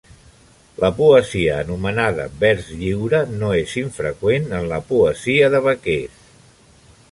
La poesia anomenada "vers lliure" no és infreqüent en la poesia de vaquers.